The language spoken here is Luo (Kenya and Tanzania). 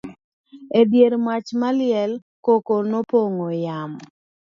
e dier mach maliel, koko nopong'o yamo